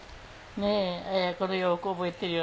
これよく覚えてるよ